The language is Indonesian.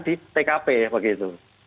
di tkp ya pak gitu